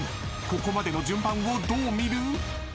［ここまでの順番をどう見る？］